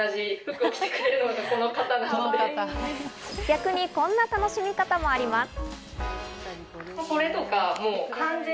逆にこんな楽しみ方もあります。